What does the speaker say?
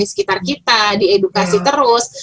di sekitar kita diedukasi terus